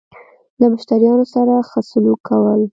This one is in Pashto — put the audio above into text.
له مشتريانو سره خه سلوک کول